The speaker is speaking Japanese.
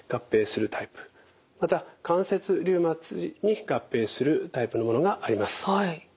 また関節リウマチに合併するタイプのものがあります。